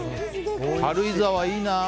軽井沢、いいな。